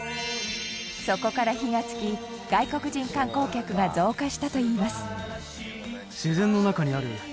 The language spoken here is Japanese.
そこから火が付き外国人観光客が増加したといいます。